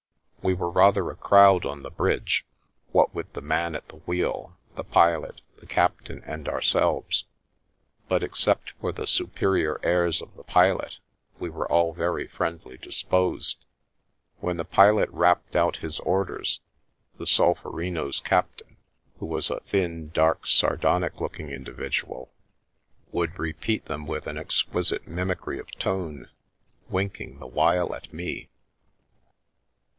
We were rather a crowd on the bridge, what with the man at the wheel, the pilot, the captain and ourselves, but except for the superior airs of the pilot, we were all very friendly disposed. When the pilot rapped out his orders, the Solferino's captain, who was a thin, dark, sardonic looking individual, would repeat them with an exquisite mimicry of tone, winking the while at me.